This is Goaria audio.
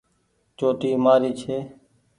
چوٽي مآري ڇي۔